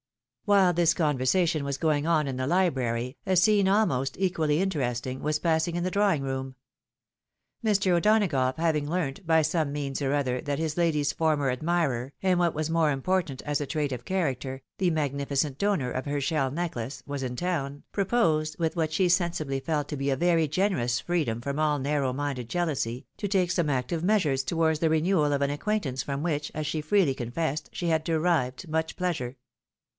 'F 1|p T^ Tit If? WMle this conversation was going on in the library, a scene almost equally interesting, was passing in the drawing room. Mr. O'Donagough haying learnt, by some means or other, that his lady's former admirer, and what was more important as a trait of character, the magnificent donor of her shell necklace, was in town, proposed, with what she sensibly felt to be a very generous freedom from all narrow minded jealousy, to take some active measures towards the renewal of an acquaintance from which, as she freely confessed, she had derived much pleasure.